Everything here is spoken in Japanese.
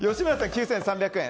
９３００円。